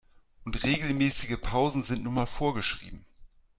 Und regelmäßige Pausen sind nun mal vorgeschrieben.